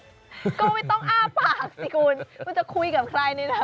ก็ไม่ต้องอ้าปากสิคุณคุณจะคุยกับใครนี่นะ